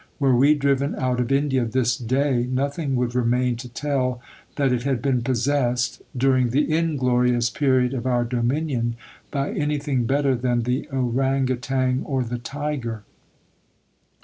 Were we driven out of India this day, nothing would remain to tell that it had been possessed, during the inglorious period of our dominion, by anything better than the ourang outang or the tiger."